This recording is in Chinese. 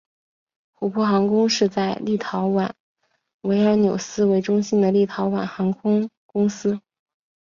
琥珀航空是在立陶宛维尔纽斯为中心的立陶宛航空公司。